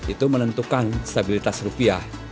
itu menentukan stabilitas rupiah